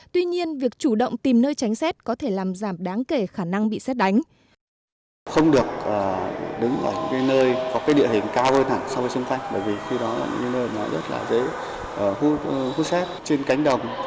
tuy nhiên việc chủ động tìm nơi tránh xét có thể làm giảm đáng kể khả năng bị xét đánh